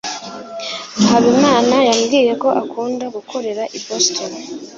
Habimana yambwiye ko akunda gukorera i Boston.